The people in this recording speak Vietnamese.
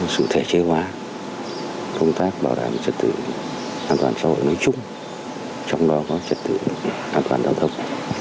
sự thể chế hóa công tác bảo đảm chất tự an toàn xã hội nói chung trong đó có trật tự an toàn giao thông